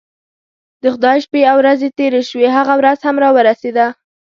د خدای شپې او ورځې تیرې شوې هغه ورځ هم راورسېده.